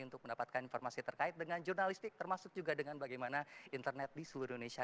untuk mendapatkan informasi terkait dengan jurnalistik termasuk juga dengan bagaimana internet di seluruh indonesia